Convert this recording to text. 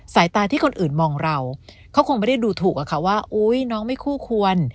สายตาที่คนอื่นมองเราเขาคงไม่ได้ดูถูกอะค่ะว่าอุ๊ยน้องไม่คู่ควร